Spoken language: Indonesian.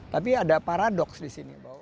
tapi ada paradoks di sini